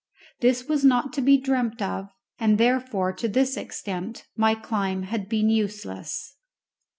This was not to be dreamt of, and therefore to this extent my climb had been useless.